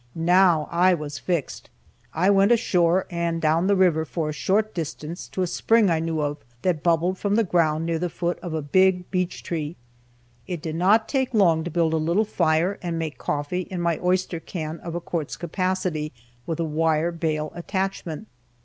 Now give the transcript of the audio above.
Now I was fixed. I went ashore, and down the river for a short distance to a spring I knew of, that bubbled from the ground near the foot of a big beech tree. It did not take long to build a little fire and make coffee in my oyster can of a quart's capacity, with a wire bale attachment.